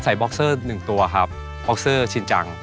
ใส่บ๊อกเซอร์หนึ่งตัวครับบ๊อกเซอร์ชิ้นจัง